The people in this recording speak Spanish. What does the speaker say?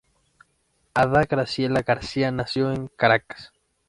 Ada Graciela García nació en Caracas.